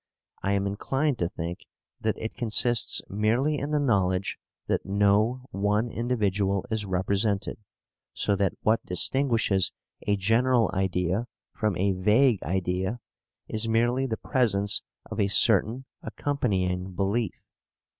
I am inclined to think that it consists merely in the knowledge that no one individual is represented, so that what distinguishes a general idea from a vague idea is merely the presence of a certain accompanying belief.